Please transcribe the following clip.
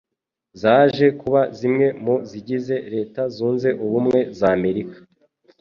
zaje kuba zimwe mu zigize Leta Zunze Ubumwe z'Amerika